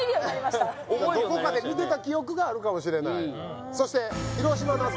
どこかで見てた記憶があるかもしれないそして広島菜漬